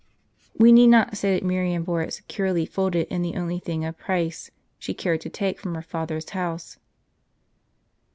* We need not say that Miriam bore it securely folded in the only thing of price she cared to take from her father's house.